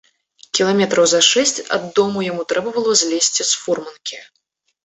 Кіламетраў за шэсць ад дому яму трэба было злезці з фурманкі.